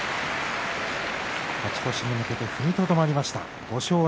勝ち越しに向けて踏みとどまりました。